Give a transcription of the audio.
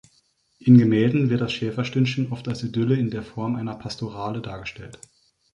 In Gemälden wird das Schäferstündchen oft als Idylle in der Form einer Pastorale dargestellt.